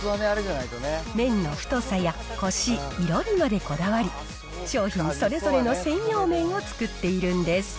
麺の太さやコシ、色にまでこだわり、商品それぞれの専用麺を作っているんです。